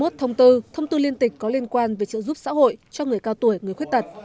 hai mươi một thông tư thông tư liên tịch có liên quan về trợ giúp xã hội cho người cao tuổi người khuyết tật